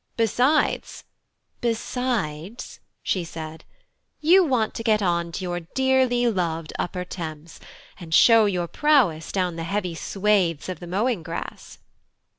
Besides " "Besides," said she, "you want to get on to your dearly loved upper Thames, and show your prowess down the heavy swathes of the mowing grass."